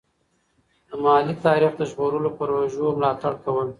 د محلي تاریخ د ژغورلو پروژو ملاتړ کول.